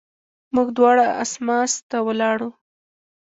موږ دواړه اسماس ته ولاړو.